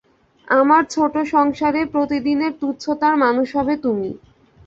আমার ছোটো সংসারে প্রতিদিনের তুচ্ছতার মানুষ হবে তুমি!